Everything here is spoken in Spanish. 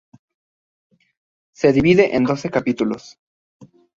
Se divide en doce capítulos.